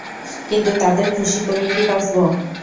কিন্তু তাদের খুশি করেই কি বাঁচব?